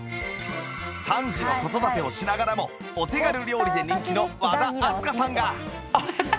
３児の子育てをしながらもお手軽料理で人気の和田明日香さんが